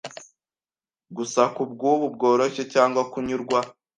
gusa kubwubu bworoshye cyangwa kunyurwa